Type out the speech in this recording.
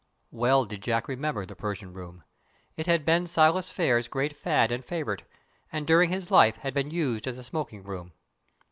Well did Jack remember the Persian room! It had been Silas Phayre's great fad and favourite, and during his life had been used as a smoking room.